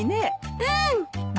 うん！